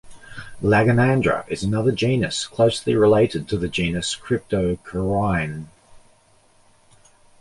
"Lagenandra" is another genus closely related to the genus "Cryptocoryne".